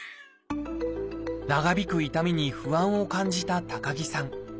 長引く痛みに不安を感じた高木さん。